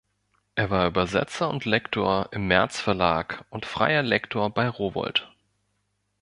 Er war Übersetzer und Lektor im März Verlag und freier Lektor bei Rowohlt.